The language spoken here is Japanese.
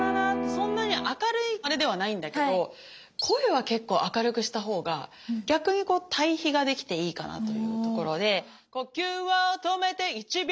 そんなに明るいあれではないんだけど声は結構明るくしたほうが逆にこう対比ができていいかなというところで「呼吸を止めて１秒」